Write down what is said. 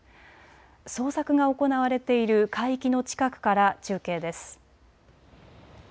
捜索が行われている海域の近くから中継です。